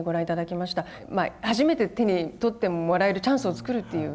まあ初めて手に取ってもらえるチャンスを作るという。